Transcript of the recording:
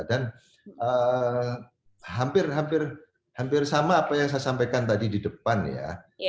dan hampir hampir hampir sama apa yang saya sampaikan tadi di depan ya